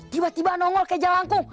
tiba tiba nongol kayak jalan kum